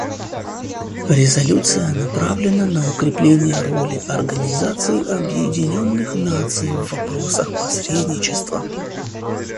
Резолюция направлена на укрепление роли Организации Объединенных Наций в вопросах посредничества.